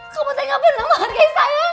kamu tidak pernah menghargai saya